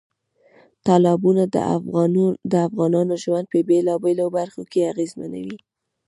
تالابونه د افغانانو ژوند په بېلابېلو برخو کې اغېزمنوي.